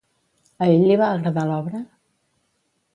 A ell li va agradar l'obra?